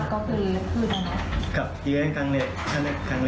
ก็คือไม่เคยเจอกัน